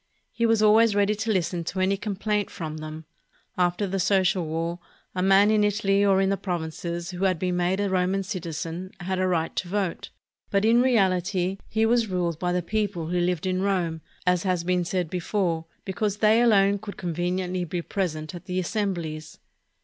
He was always ready to Hsten to any complaint from them. After the Social War, a man in Italy or in the provinces who had been made a Ro man citizen, had a right to vote, but in reahty he was ruled by the people who Hved in Rome, as has been said before, because they alone could conveniently be present at the assembHes.